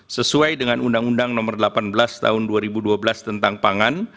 sesuai dengan undang undang nomor delapan belas tahun dua ribu dua belas tentang pangan